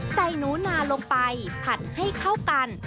ใส่หนูนาลงไปผัดให้เข้ากัน